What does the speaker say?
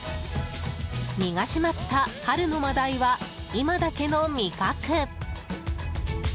身が締まった春のマダイは今だけの味覚。